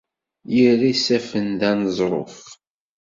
Irra isaffen d aneẓruf.